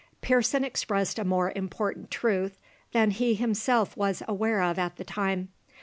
Pearson expressed a more important truth than he himself was aware of at the time.